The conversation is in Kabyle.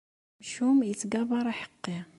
Amcum ittgabar aḥeqqi.